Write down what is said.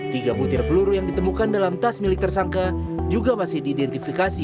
tiga butir peluru yang ditemukan dalam tas milik tersangka juga masih diidentifikasi